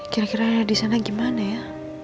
kira kira rera disana gimana ya